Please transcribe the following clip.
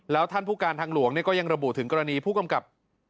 แล้วท่านผู้การทางหลวงก็ยังระบุถึงกรณีผู้กำกับ